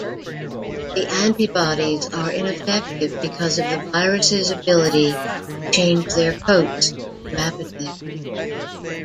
The antibodies are ineffective because of the virus' ability to change their coats rapidly.